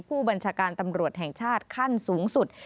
ผู้บัญชาการตำรวจแห่งชาติขั้นสูงสุด